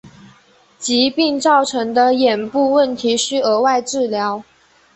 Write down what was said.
疾病造成的眼部问题需额外治疗。